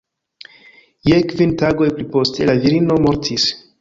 Je kvin tagoj pli poste la virino mortis.